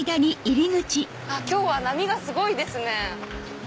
今日は波がすごいですね。